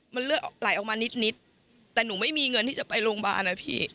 มันเลือดไหลออกมานิดแต่หนูไม่มีเงินที่จะไปโรงพยาบาลนะพี่